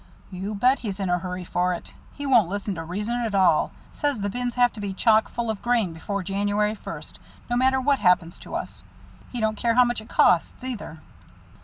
"You bet, he's in a hurry for it. He won't listen to reason at all. Says the bins have got to be chock full of grain before January first, no matter what happens to us. He don't care how much it costs, either."